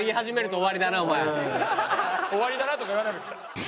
「終わりだな」とか言わないでください。